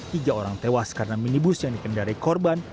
tiga orang tewas karena minibus yang dikendari korban